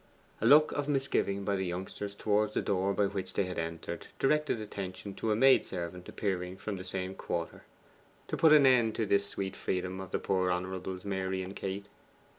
A look of misgiving by the youngsters towards the door by which they had entered directed attention to a maid servant appearing from the same quarter, to put an end to this sweet freedom of the poor Honourables Mary and Kate.